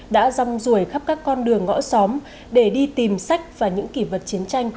đã dòng rủi khắp các con đường ngõ xóm để đi tìm sách và những kỳ vật chiến tranh